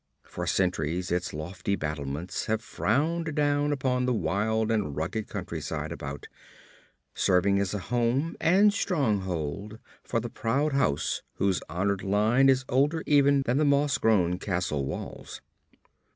For centuries its lofty battlements have frowned down upon the wild and rugged countryside about, serving as a home and stronghold for the proud house whose honoured line is older even than the moss grown castle walls.